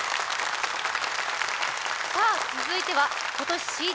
続いては今年ＣＤ